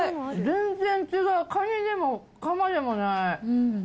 全然違う、カニでも、かまでもない。